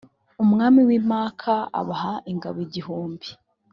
umwami w’i maka abaha ingabo igihumbi